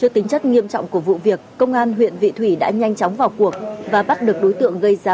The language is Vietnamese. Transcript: trước đó vào sáng ngày hai tháng một trong giờ ra chơi